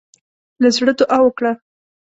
له زړۀ دعا وکړه.